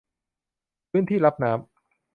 พื้นที่รับน้ำ